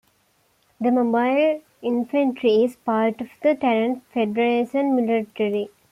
The Mobile Infantry is part of the Terran Federation military.